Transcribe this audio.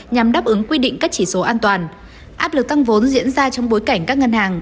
nhằm đáp ứng quy định các chỉ số an toàn áp lực tăng vốn diễn ra trong bối cảnh các ngân hàng